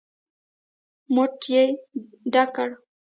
موټ يې ډک کړ.